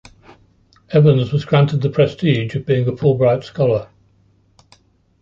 Evans was granted the prestige of being a Fulbright Scholar.